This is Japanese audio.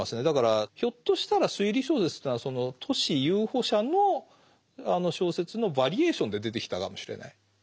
だからひょっとしたら推理小説というのはその都市遊歩者の小説のバリエーションで出てきたかもしれない。